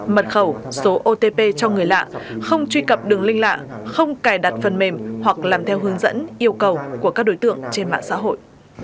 mật khẩu số otp cho người lạ không truy cập đường linh lạ không cài đặt phần mềm hoặc làm theo hướng dẫn yêu cầu của các đối tượng trên mạng xã hội